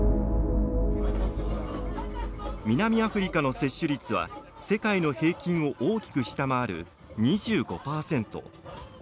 南アフリカの接種率は世界の平均を大きく下回る２５％。